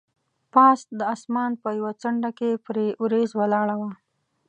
پاس د اسمان په یوه څنډه کې پرې وریځ ولاړه وه.